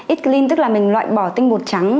eat clean tức là mình loại bỏ tinh bột trắng